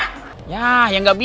yah ya nggak bisa dong ayang kiki